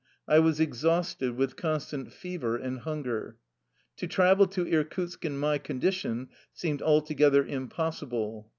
I was exhausted with constant fever and hunger. To travel to Irkutsk in my condition seemed altogether im possible.